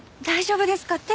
大丈夫ですか？